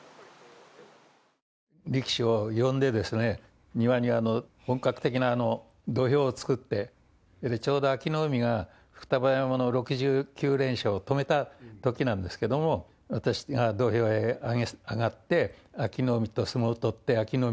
力士を呼んで、庭に本格的な土俵を作って、ちょうど安芸ノ海が双葉山の６９連勝を止めたときなんですけれども、私が土俵へ上がって、安芸ノ海と相撲を取って、安芸ノ